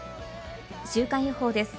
週間予報です。